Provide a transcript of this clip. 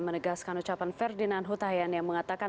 menegaskan ucapan ferdinand hutahian yang mengatakan